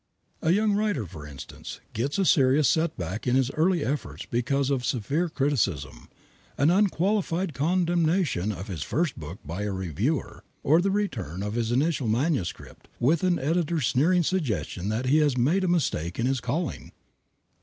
A young writer, for instance, often gets a serious setback in his early efforts because of a severe criticism, an unqualified condemnation of his first book by a reviewer, or the return of his initial manuscript, with an editor's sneering suggestion that he has made a mistake in his calling.